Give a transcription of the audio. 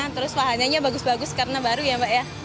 terus wahannya bagus bagus karena baru ya mbak ya